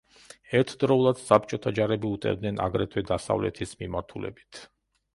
ერთდროულად საბჭოთა ჯარები უტევდნენ აგრეთვე დასავლეთის მიმართულებით.